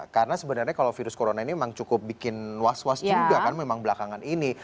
karena sebenarnya kalau virus corona ini memang cukup bikin was was juga kan memang belakangan ini